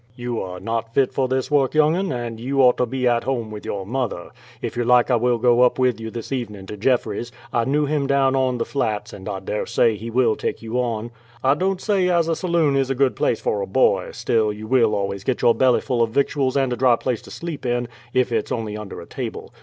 "You are not fit for this work, young 'un, and you ought to be at home with your mother; if you like I will go up with you this evening to Jeffries. I knew him down on the flats, and I dare say he will take you on. I don't say as a saloon is a good place for a boy, still you will always get your bellyful of victuals and a dry place to sleep in, if it's only under a table.